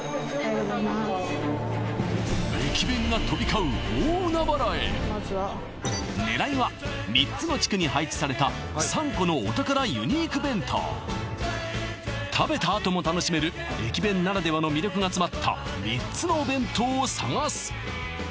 ついに狙いは３つの地区に配置された３個のお宝ユニーク弁当食べたあとも楽しめる駅弁ならではの魅力が詰まった３つのお弁当を探す